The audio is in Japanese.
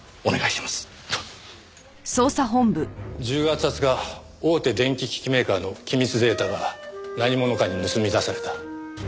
１０月２０日大手電機機器メーカーの機密データが何者かに盗み出された。